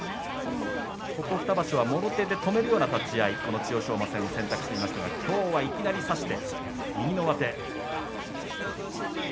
ここ２場所はもろ手で止めるような立ち合いこの千代翔馬戦、選択していましたが今日は右の上手。